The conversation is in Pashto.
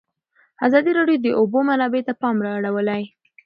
ازادي راډیو د د اوبو منابع ته پام اړولی.